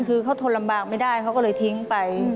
คือเขาทนลำบากไม่ได้เขาก็เลยทิ้งไป